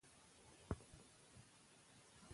زۀ د يار مخکښې زېر لېمۀ زبَر کؤلے نۀ شم